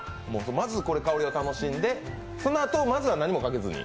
まず、香りを楽しんで、そのあとは何もかけずに？